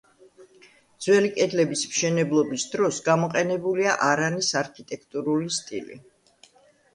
ძველი კედლების მშენებლობის დროს გამოყენებულია არანის არქიტექტურული სტილი.